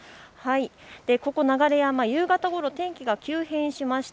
ここ流山、夕方ごろ、天気が急変しました。